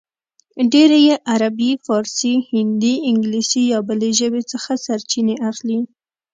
ډېر یې له عربي، فارسي، هندي، انګلیسي یا بلې ژبې څخه سرچینې اخلي